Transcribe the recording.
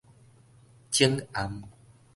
腫頷